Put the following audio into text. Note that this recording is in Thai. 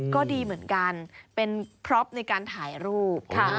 ก็ดีเหมือนกันเป็นพล็อปในการถ่ายรูป